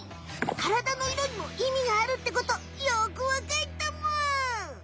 からだの色にもいみがあるってことよくわかったむ！